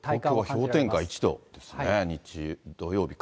東京は氷点下１度ですね、土曜日か。